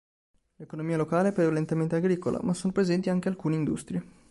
L'economia locale è prevalentemente agricola, ma sono presenti anche alcune industrie.